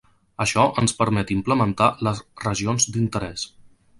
Això ens permet implementar les Regions d'Interès.